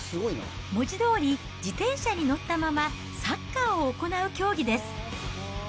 文字どおり、自転車に乗ったまま、サッカーを行う競技です。